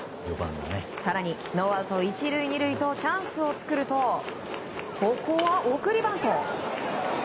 更に、ノーアウト１塁２塁とチャンスを作るとここは送りバント。